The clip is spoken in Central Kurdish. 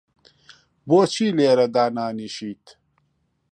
بۆچی لێرە دانانیشیت؟